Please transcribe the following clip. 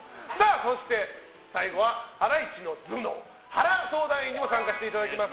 そして、最後はハライチの頭脳、ハラ相談員にも参加していただきます。